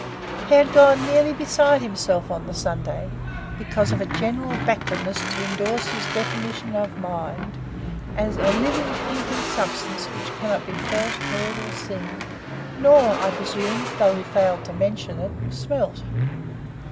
He had gone nearly beside himself on the Sunday, because of a general backwardness to indorse his definition of mind as 'a living, thinking substance which cannot be felt, heard, or seen'—nor, I presume, although he failed to mention it, smelt.